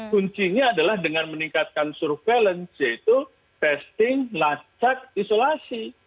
kuncinya adalah dengan meningkatkan surveillance yaitu testing lacak isolasi